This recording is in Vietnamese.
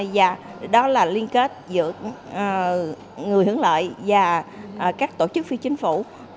và đó là liên kết giữa người hưởng lợi và các tổ chức phi chính phủ